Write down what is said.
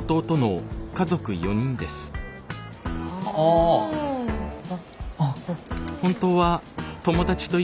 あっ。